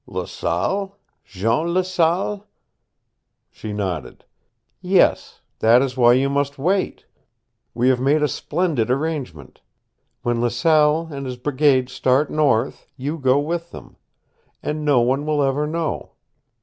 "Laselle Jean Laselle?" She nodded. "Yes, that is why you must wait. We have made a splendid arrangement. When Laselle and his brigade start north, you go with them. And no one will ever know.